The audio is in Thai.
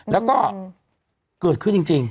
แล้วก็เกิดขึ้นจริง